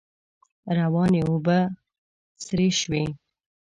روانې اوبه سرې شوې.